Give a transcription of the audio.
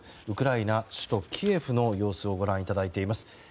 ウクライナ首都キエフの様子をご覧いただいています。